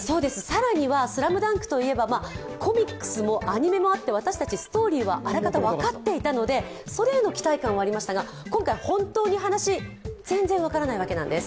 さらには「ＳＬＡＭＤＵＮＫ」といえば、コミックスもアニメもあって私たちストーリーはあらかた分かっていたので、それへの期待感はありましたが、今回は本当に話、全然分からないわけなんです。